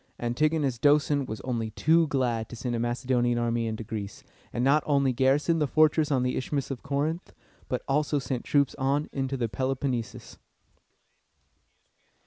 Antigonus Doson was only too glad to send a Macedonian army into Greece, and not only garrisoned the fortress on the Isthmus of Corinth, but also sent troops on into the Peloponnesus.